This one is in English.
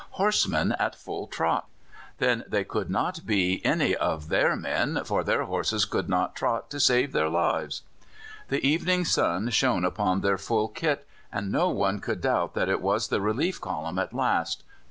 Horsemen at full trot! Then they could not be any of their men, for their horses could not trot to save their lives. The evening sun shone upon their full kit, and no one could doubt that it was the relief column at last!